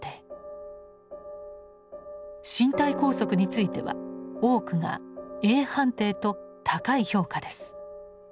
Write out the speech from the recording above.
身体拘束については多くがａ判定と高い評価です。